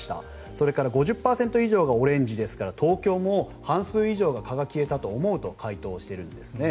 それから５０％以上がオレンジですから東京も半数以上が蚊が消えたと思うと回答しているんですね。